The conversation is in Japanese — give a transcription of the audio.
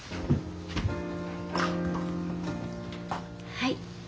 はい。